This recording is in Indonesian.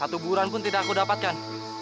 satu buburan pun tidak aku dapatkan